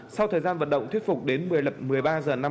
sau thời gian vận động thuyết phục đến một mươi lập một mươi ba giờ